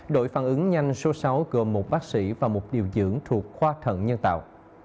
đội phản ứng nhanh số sáu gồm một bác sĩ và một điều dưỡng thuộc khoa thận nhân tạo